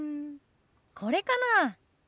これかな。